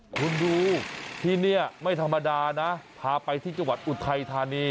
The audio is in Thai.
คุณดูที่นี่ไม่ธรรมดานะพาไปที่จังหวัดอุทัยธานี